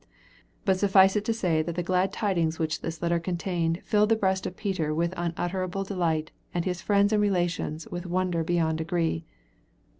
But suffice it to say that the glad tidings which this letter contained filled the breast of Peter with unutterable delight and his friends and relations with wonder beyond degree.